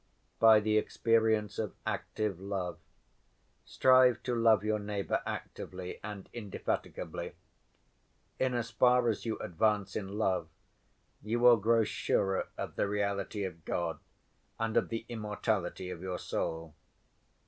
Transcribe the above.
"By the experience of active love. Strive to love your neighbor actively and indefatigably. In as far as you advance in love you will grow surer of the reality of God and of the immortality of your soul.